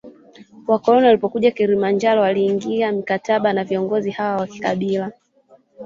Wakoloni walipokuja Kilimanjaro waliingia mikataba na viongozi hawa wa kikabila